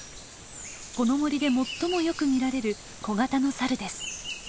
この森で最もよく見られる小型のサルです。